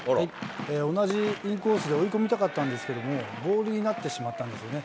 同じインコースで追い込みたかったんですけど、ボールになってしまったんですよね。